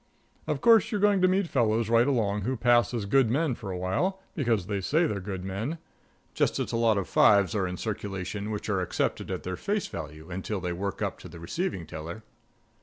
Of course, you're going to meet fellows right along who pass as good men for a while, because they say they're good men; just as a lot of fives are in circulation which are accepted at their face value until they work up to the receiving teller.